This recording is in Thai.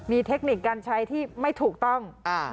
มีเทคนิคการใช้ที่ไม่ถูกต้อง